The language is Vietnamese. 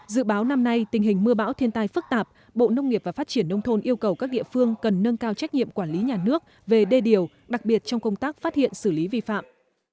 dự báo năm nay tình hình mưa bão thiên tai phức tạp bộ nông nghiệp và phát triển nông thôn yêu cầu các địa phương cần nâng cao trách nhiệm quản lý nhà nước về đê điều đặc biệt trong công tác phát hiện xử lý vi phạm